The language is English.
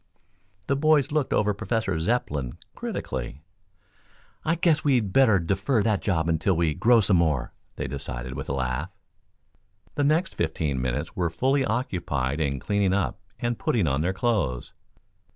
The boys looked over Professor Zepplin critically. "I guess we'd better defer that job till we grow some more," they decided, with a laugh. The next fifteen minutes were fully occupied in cleaning up and putting on their clothes.